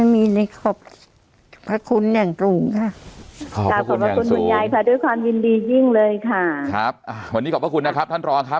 ไม่มีอะไรขอบพระคุณแห่งสูงค่ะ